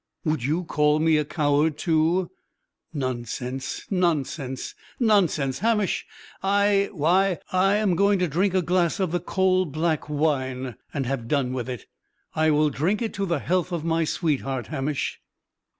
Would you call me a coward too? Nonsense, nonsense, nonsense, Hamish! I why, I am going to drink a glass of the coal black wine, and have done with it. I will drink it to the health of my sweetheart, Hamish!"